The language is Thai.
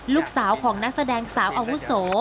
ลูกสาวของนักแสดงสาวอาวุโส